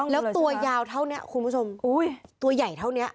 แล้วตัวยาวเท่านี้คุณผู้ชมตัวใหญ่เท่านี้